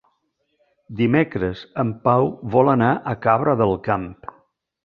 Dimecres en Pau vol anar a Cabra del Camp.